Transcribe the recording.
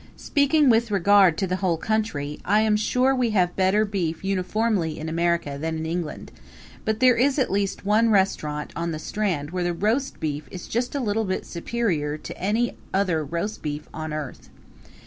Speaking with regard to the whole country, I am sure we have better beef uniformly in America than in England; but there is at least one restaurant on the Strand where the roast beef is just a little bit superior to any other roast beef on earth.